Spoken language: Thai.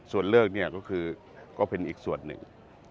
ส่วนเลือกก็เป็นอีกส่วนหนึ่ง